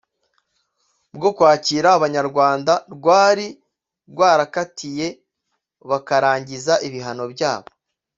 bwo kwakira Abanyarwanda rwari rwarakatiye bakarangiza ibihano byabo